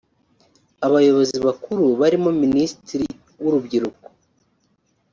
Abayobozi bakuru barimo Minisitiri w’urubyiruko